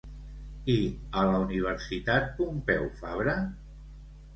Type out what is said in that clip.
I a la Universitat Pompeu Fabra?